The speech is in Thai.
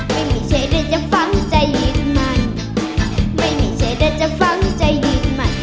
ไม่มีเฉพาะได้จะฟังใจมัน